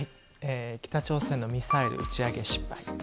北朝鮮のミサイル打ち上げ失